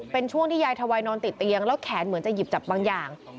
เป็นช่วงที่ยายทวายนอนติดเตียงแล้วแขนเหมือนจะหยิบจับบางอย่าง